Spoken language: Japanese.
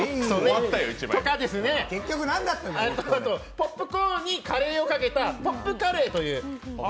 ポップコーンにカレーをかけたポップカレーという。